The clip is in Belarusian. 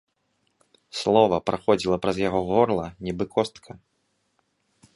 Слова праходзіла праз яго горла, нібы костка.